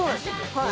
はい。